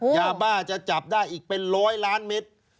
ยาบ้าจะจับได้อีกเป็นร้อยล้านเมตร